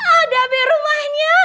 ada coment rumahnya